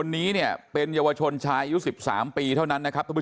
ในเรื่องอ่าทุกสาวนะครับ